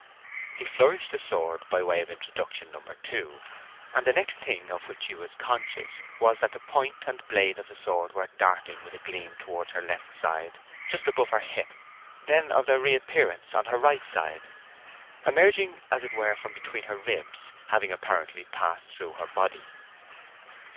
He flourished the sword by way of introduction number two, and the next thing of which she was conscious was that the point and blade of the sword were darting with a gleam towards her left side, just above her hip; then of their reappearance on her right side, emerging as it were from between her ribs, having apparently passed through her body.